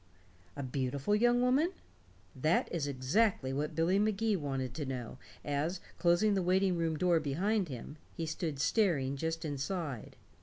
A beautiful young woman? That is exactly what Billy Magee wanted to know as, closing the waiting room door behind him, he stood staring just inside.